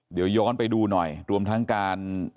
เดี๋ยวย้อนไปดูหน่อยรวมทั้งการ